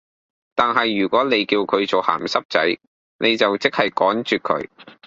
但系如果你叫佢做鹹濕仔，你就即係趕絕佢